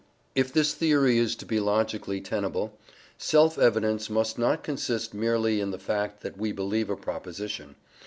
If this theory is to be logically tenable, self evidence must not consist merely in the fact that we believe a proposition.